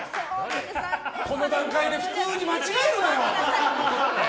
この段階で普通に間違えるなよ！